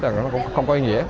là nó cũng không có ý nghĩa